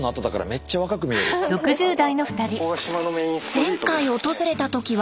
前回訪れた時は。